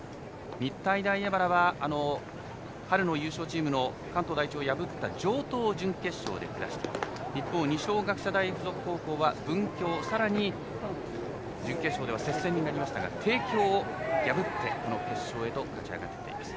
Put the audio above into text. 日体大荏原高校は春の優勝チームの関東第一を破った城東を準決勝でくだして一方、二松学舎大付属高校は文京さらに準決勝では接戦になりましたが帝京を破ってこの決勝へと勝ち上がってきています。